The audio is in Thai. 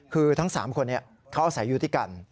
คือทั้ง๓คนเขาอาศัยอยู่ด้วยกัน